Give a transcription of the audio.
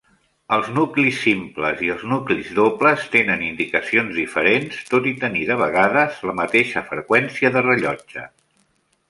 Els nuclis simples i els nuclis dobles tenen indicacions diferents, tot i tenir de vegades la mateixa freqüència de rellotge.